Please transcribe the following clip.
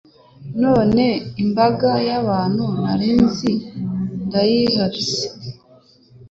none imbaga y’abantu ntari nzi ndayihatse